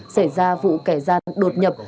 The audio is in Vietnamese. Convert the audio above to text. xảy ra vụ kẻ gian đột nhập